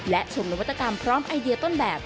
และชมนวัตกรรมพร้อมไอเดียต้นแบบ